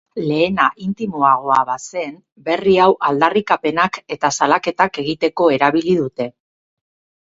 Lehena intimoagoa bazen, berri hau aldarrikapenak eta salaketak egiteko erabili dute.